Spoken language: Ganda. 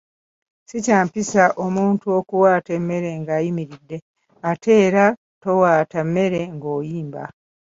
Si kya mpisa omuntu okuwaata emmere ng’ayimiridde ate era towaata mmere ng’oyimba.